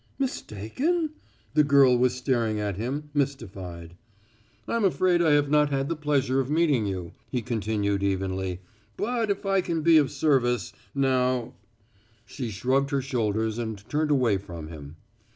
"Mistaken?" The girl was staring at him, mystified. "I'm afraid I have not had the pleasure of meeting you," he continued evenly. "But if I can be of service now " She shrugged her shoulders and turned away from him.